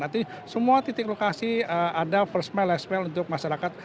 nanti semua titik lokasi ada first mile last mile untuk masyarakat